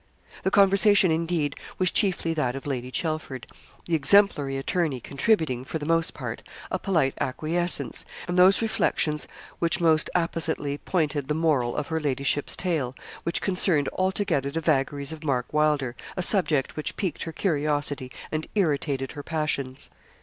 The conversation, indeed, was chiefly that of Lady Chelford, the exemplary attorney contributing, for the most part, a polite acquiescence, and those reflections which most appositely pointed the moral of her ladyship's tale, which concerned altogether the vagaries of Mark Wylder a subject which piqued her curiosity and irritated her passions.